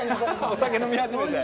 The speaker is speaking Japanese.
お酒飲み始めて？